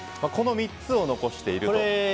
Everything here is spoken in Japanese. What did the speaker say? この３つを残していると。